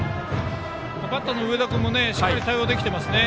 バッターの植田君もしっかり対応できていますね。